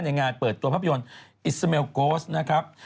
ในงานเปิดตัวภาพยนตร์อิสเมลโกสนะครับ